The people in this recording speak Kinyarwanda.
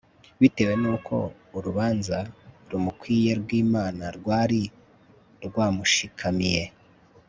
bitewe n'uko urubanza rumukwiye rw'imana rwari rwamushikamiye